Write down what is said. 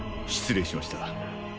失礼しました